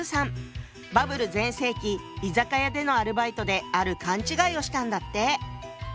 バブル全盛期居酒屋でのアルバイトである勘違いをしたんだって。